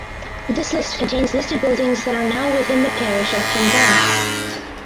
This list contains listed buildings that are now within the parish of Penzance.